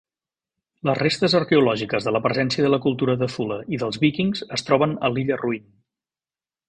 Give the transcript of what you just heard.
Les restes arqueològiques de la presència de la cultura de Thule i dels vikings es troben a l'illa Ruin.